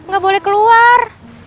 gak boleh keluar